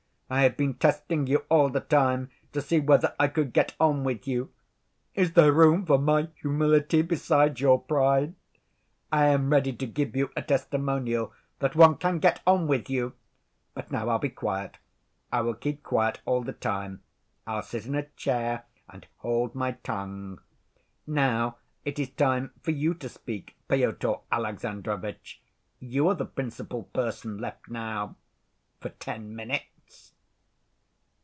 I have been testing you all the time to see whether I could get on with you. Is there room for my humility beside your pride? I am ready to give you a testimonial that one can get on with you! But now, I'll be quiet; I will keep quiet all the time. I'll sit in a chair and hold my tongue. Now it is for you to speak, Pyotr Alexandrovitch. You are the principal person left now—for ten minutes."